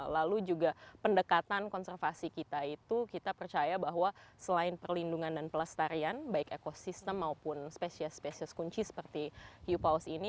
lalu juga pendekatan konservasi kita itu kita percaya bahwa selain perlindungan dan pelestarian baik ekosistem maupun spesies spesies kunci seperti hiu paus ini